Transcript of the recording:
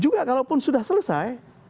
juga kalau pun sudah selesai